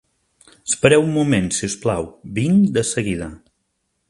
Espereu un moment, si us plau: vinc de seguida.